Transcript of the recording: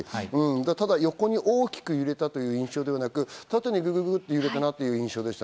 ただ横に大きく揺れたという印象ではなく、縦にグググっと揺れた印象でした。